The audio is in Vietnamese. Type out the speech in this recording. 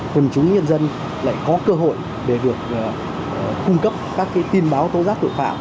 quần chúng nhân dân lại có cơ hội để được cung cấp các tin báo tố giác tội phạm